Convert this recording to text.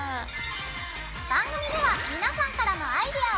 番組では皆さんからのアイデアを募集中！